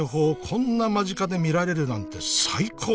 こんな間近で見られるなんて最高！